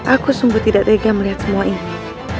aku sungguh tidak tega melihat semua ini